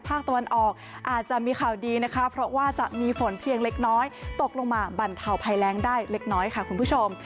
ภาคตะวันออกอาจจะมีข่าวดีนะคะเพราะว่าจะมีฝนเพียงเล็กน้อยตกลงมาบรรเทาภัยแรงได้เล็กน้อยค่ะคุณผู้ชม